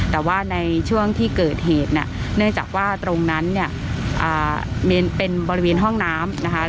แต่ว่าในช่วงที่เกิดเหตุเนื่องจากว่าตรงนั้นเป็นบริเวณห้องน้ำ